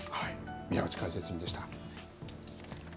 宮内解説委員でした。